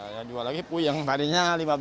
yang dua lagi puyeng tadinya rp lima belas